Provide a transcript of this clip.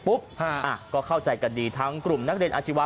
ทำความเข้าใจกันเสร็จปุ๊บก็เข้าใจกันดีทั้งกลุ่มนักเรียนอาชีวะ